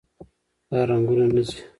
دا رنګونه نه ځي.